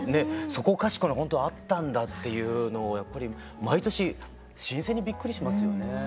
そこかしこにほんとあったんだっていうのをやっぱり毎年新鮮にびっくりしますよね。